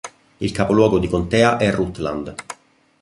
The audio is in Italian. Il capoluogo di contea è Rutland.